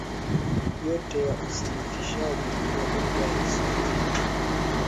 yote ya usanifishaji wa lugha ya Kiswahili na